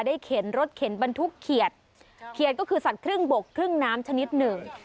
เข็นรถเข็นบรรทุกเขียดเขียดก็คือสัตว์ครึ่งบกครึ่งน้ำชนิดหนึ่ง